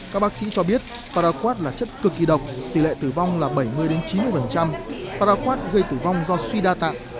các bác sĩ cho biết paraquad là chất cực kỳ độc tỷ lệ tử vong là bảy mươi chín mươi paraquad gây tử vong do suy đa tạng